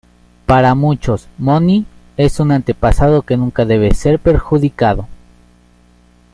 Para muchos Moni, es un antepasado que nunca debe ser perjudicado.